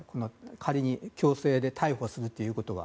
仮に強制で逮捕するということは。